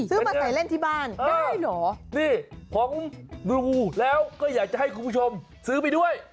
ซื้อมาใส่เล่นที่บ้านได้เหรอนี่ผมดูแล้วก็อยากจะให้คุณผู้ชมซื้อไปด้วย